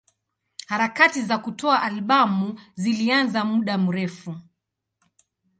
Harakati za kutoa albamu zilianza muda mrefu.